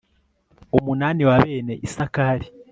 umunani wa bene isakari